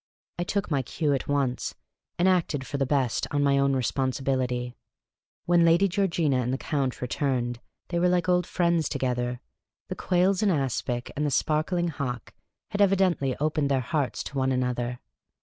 I took my cue at once, and acted for the best on my own re sponsibility. When Lady Georgina and the Count returned, they were like old friends together. The quails in aspic and the spark ling hock had evidently opened their hearts to one another.